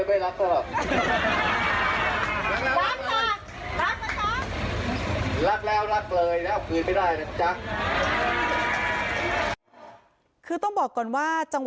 พระบาทเริ่มเชิญหน้าเริ่มสามเพียงมาหลายปีแล้ว